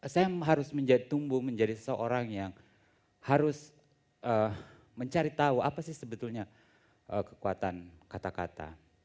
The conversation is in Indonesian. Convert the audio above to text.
saya harus tumbuh menjadi seseorang yang harus mencari tahu apa sih sebetulnya kekuatan kata kata